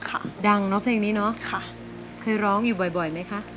ค่ะดังเนอะเพลงนี้เนอะค่ะเคยร้องอยู่บ่อยบ่อยไหมคะ